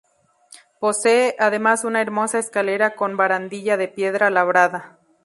Posee, además, una hermosa escalera con barandilla de piedra labrada.